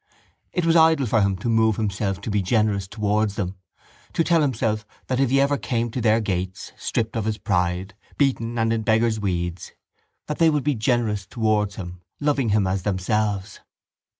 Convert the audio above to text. It was idle for him to move himself to be generous towards them, to tell himself that if he ever came to their gates, stripped of his pride, beaten and in beggar's weeds, that they would be generous towards him, loving him as themselves.